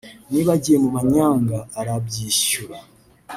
niba agiye mu manyanga arabyishyura